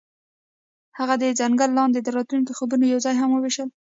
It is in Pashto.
هغوی د ځنګل لاندې د راتلونکي خوبونه یوځای هم وویشل.